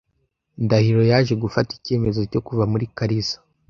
Ndahiro yaje gufata icyemezo cyo kuva muri Kariza .